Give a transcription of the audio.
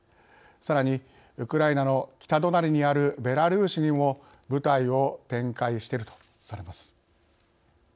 さらにウクライナの北隣にあるベラルーシにも部隊を展開しているとされます。